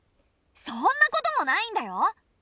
そんなこともないんだよ。